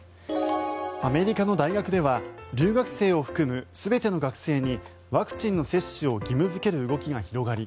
アメリカの大学では留学生を含む全ての学生にワクチンの接種を義務付ける動きが広がり